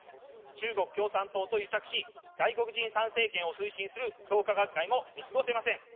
中国共産党と癒着し、外国人参政権を推進する創価学会も見過ごせません。